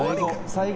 最後。